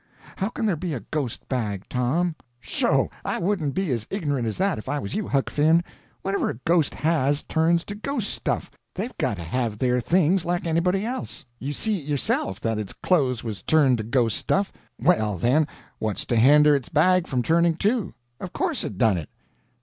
How can there be a ghost bag, Tom?" "Sho! I wouldn't be as ignorant as that if I was you, Huck Finn. Whatever a ghost has, turns to ghost stuff. They've got to have their things, like anybody else. You see, yourself, that its clothes was turned to ghost stuff. Well, then, what's to hender its bag from turning, too? Of course it done it."